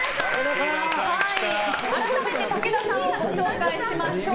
改めて武田さんをご紹介しましょう。